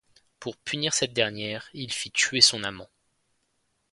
Pour punir cette dernière, il fit tuer son amant.